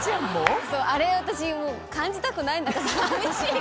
あれ私感じたくない何かさみしい。